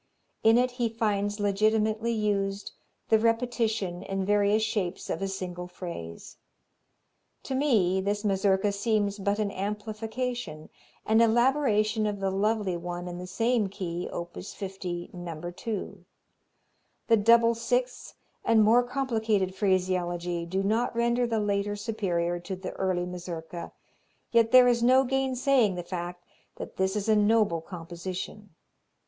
In it he finds legitimately used the repetition in various shapes of a single phrase. To me this Mazurka seems but an amplification, an elaboration of the lovely one in the same key, op. 50, No. 2. The double sixths and more complicated phraseology do not render the later superior to the early Mazurka, yet there is no gainsaying the fact that this is a noble composition.